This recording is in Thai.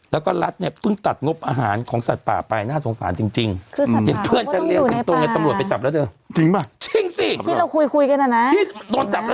แล้วก็รัฐเนี่ยพึ่งตัดงบอาหารของสัตว์ป่าไปน่าสงสารจริงเพื่อนชั้นเลี้ยงสิงตงกับตำรวจไปจับแล้วเจอ